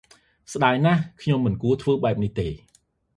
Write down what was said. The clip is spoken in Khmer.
ស្តាយណាស់ ខ្ញុំមិនគួរធ្វើបែបនេះទេ ។